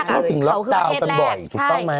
เขาเป็นประเทศแรก